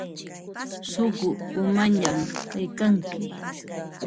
Suqu umañaq kaykanki.